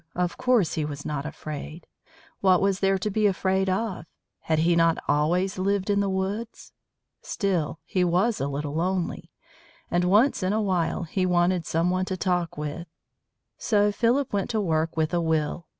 Of course he was not afraid. What was there to be afraid of? Had he not always lived in the woods? Still, he was a little lonely, and once in a while he wanted some one to talk with. So Philip went to work with a will.